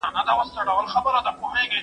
ایا ته د دې کتاب د لوستلو لپاره وخت لرې؟